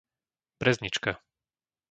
Breznička